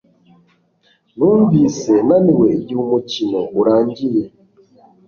Numvise naniwe igihe umukino urangiye